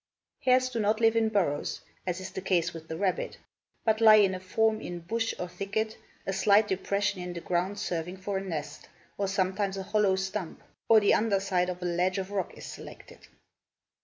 Hares do not live in burrows, as is the case with the rabbit, but lie in a form in bush or thicket, a slight depression in the ground serving for a nest, or sometimes a hollow stump, or the under side of a ledge of rock is selected.